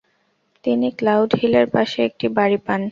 তিনি "ক্লাউড হিলের" পাশে একটি বাড়ি পান।